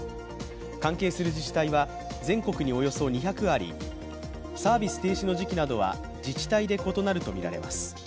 関係する自治体は全国におよそ２００あり、サービス停止の時期などは自治体で異なるとみられます。